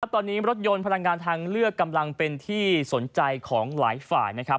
ตอนนี้รถยนต์พลังงานทางเลือกกำลังเป็นที่สนใจของหลายฝ่ายนะครับ